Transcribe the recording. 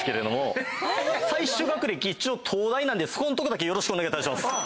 最終学歴東大なんでそこんとこよろしくお願いいたします！